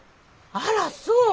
あらそう。